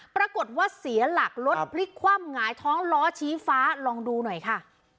ปรากฏว่าเสียหลักรถพลิกคว่ำหงายท้องล้อชี้ฟ้าลองดูหน่อยค่ะ